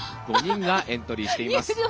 ５人がエントリーしています。